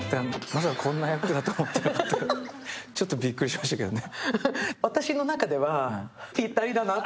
ちょっとビックリしましたけどね。